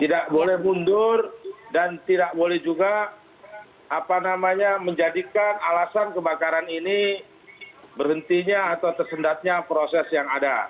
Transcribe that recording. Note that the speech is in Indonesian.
tidak boleh mundur dan tidak boleh juga menjadikan alasan kebakaran ini berhentinya atau tersendatnya proses yang ada